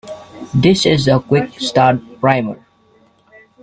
This is a quick start primer.